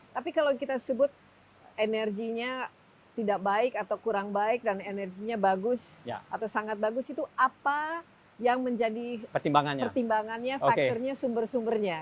tapi kalau kita sebut energinya tidak baik atau kurang baik dan energinya bagus atau sangat bagus itu apa yang menjadi pertimbangannya faktornya sumber sumbernya